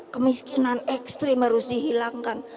kemiskinan ekstrim harus dihilangkan